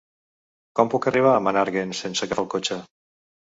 Com puc arribar a Menàrguens sense agafar el cotxe?